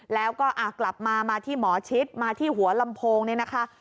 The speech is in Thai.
แล้วก็กลับมามาที่หมอชิดมาที่หัวลำโพงเนี่ยนะคะ